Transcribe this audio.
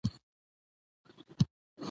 نوې او ښکلې جامې اغوندي